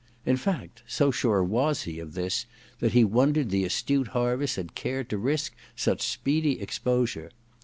In fact, so sure was he of this that he wondered the astute Harviss had cared to risk such speedy exposure.